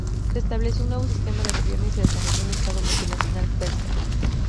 Se estableció un nuevo sistema de gobierno y se desarrolló un estado multinacional persa.